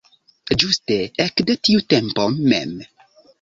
Ĝuste ekde tiu tempo mem.